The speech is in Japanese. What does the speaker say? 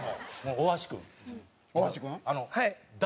大橋君。